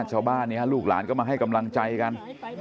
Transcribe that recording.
ชาวบ้านลูกหลานก็มาให้กำลังใจกัน